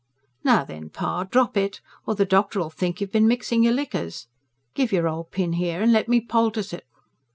"Now then, pa, drop it. Or the doctor'll think you've been mixing your liquors. Give your old pin here and let me poultice it."